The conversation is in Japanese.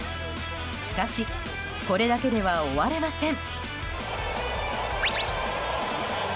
しかし、これだけでは終われません。